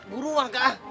gue ruang kah